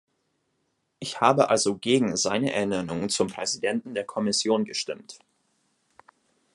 Ich habe also gegen seine Ernennung zum Präsidenten der Kommission gestimmt.